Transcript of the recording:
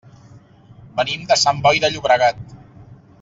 Venim de Sant Boi de Llobregat.